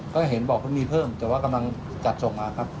ก็เห็นบอกว่ามีเพิ่มแต่ว่ากำลังจัดส่งมาครับ